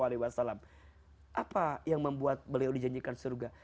apa yang membuat beliau dijanjikan surga